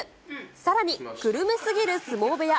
さらに、グルメすぎる相撲部屋。